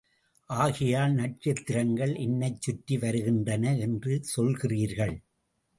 ஆகையால், நட்சத்திரங்கள் என்னைச்சுற்றி வருகின்றன என்று சொல்கிறீர்கள்.